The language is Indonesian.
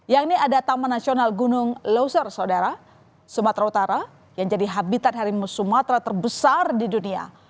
yakni ada taman nasional gunung loser saudara sumatera utara yang jadi habitat harimau sumatera terbesar di dunia